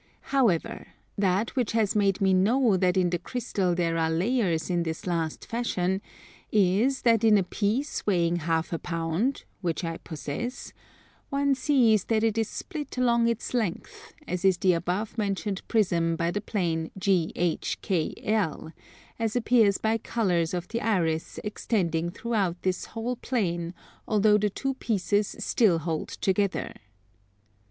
However, that which has made me know that in the crystal there are layers in this last fashion, is that in a piece weighing half a pound which I possess, one sees that it is split along its length, as is the above mentioned prism by the plane GHKL; as appears by colours of the Iris extending throughout this whole plane although the two pieces still hold together.